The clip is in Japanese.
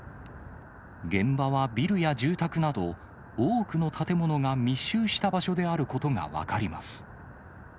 現場はビルや住宅など、多くの建物が密集した場所であることが分かります。